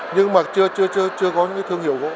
nhưng mà chưa có những cái thương hiệu gỗ